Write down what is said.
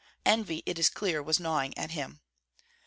'" "Envy, it is clear, was gnawing him."